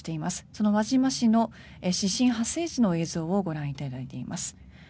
その輪島市の地震発生時の映像をご覧いただいています。